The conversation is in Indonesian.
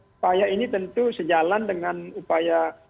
upaya ini tentu sejalan dengan upaya